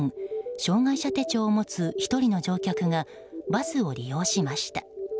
障害者手帳を持つ１人の乗客がバスを利用しました。